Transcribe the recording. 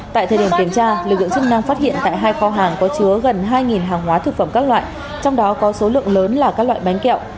tại thời điểm kiểm tra lực lượng chức năng phát hiện tại hai kho hàng có chứa gần hai hàng hóa thực phẩm các loại trong đó có số lượng lớn là các loại bánh kẹo